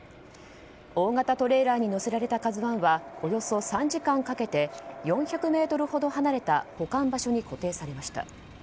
大型トレーラーに載せられた「ＫＡＺＵ１」はおよそ３時間かけて４００ｍほど離れた保管場所に固定されました。